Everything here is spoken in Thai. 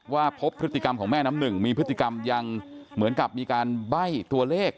ว่าพบพฤติกรรมของแม่น้ำหนึ่งมีพฤติกรรมยังเหมือนกับมีการใบ้ตัวเลข